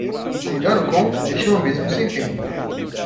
Cuidado com? este é um abismo sem fim!